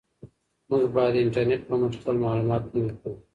موږ باید د انټرنیټ په مټ خپل معلومات نوي کړو.